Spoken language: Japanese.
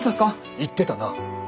行ってたな？